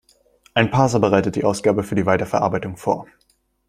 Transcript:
Ein Parser bereitet die Ausgabe für die Weiterverarbeitung vor.